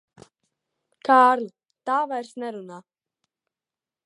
Kārli, tā vairs nerunā.